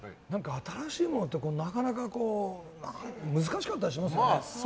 新しいのって難しかったりしますよね。